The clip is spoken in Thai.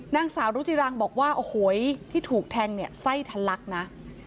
นางสาวรุจิรังบอกว่าโอ้โหที่ถูกแทงเนี่ยไส้ทะลักนะ